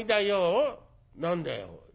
「何だよおい。